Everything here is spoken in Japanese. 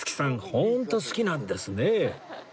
ホント好きなんですね